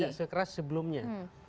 tidak sekeras sebelumnya